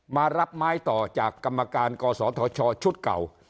มารับไม้ต่อจากกรรมการกศธชชุดเก่า